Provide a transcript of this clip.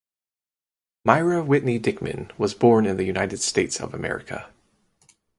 Myra Whitney Dickman was born in the United States of America.